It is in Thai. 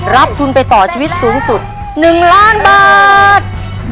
รับทุนไปต่อชีวิตสูงสุด๑ล้านบาท